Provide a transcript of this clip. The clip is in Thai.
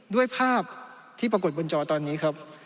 ด้วยภาพที่ปรากฏบนจอตอนนี้ครับ